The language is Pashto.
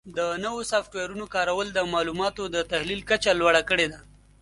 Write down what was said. د نوو سافټویرونو کارول د معلوماتو د تحلیل کچه لوړه کړې ده.